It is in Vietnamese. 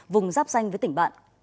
vùng ráp xanh với tỉnh bạn